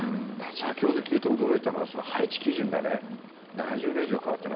先ほど聞いて驚いたのは配置基準が７０年以上変わっていない。